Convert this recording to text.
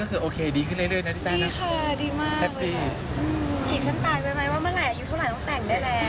ว่าเมื่อไหร่อยู่ข้างหลังต้องแต่งได้แล้ว